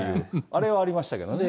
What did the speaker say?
あれはありましたけどね。